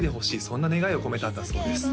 そんな願いを込めたんだそうです